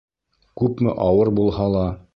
Күпме ауыр булһа ла